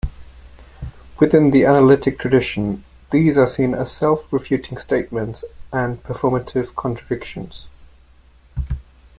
Within the analytic tradition, these are seen as self-refuting statements and performative contradictions.